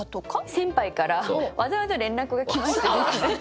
先輩からわざわざ連絡が来まして。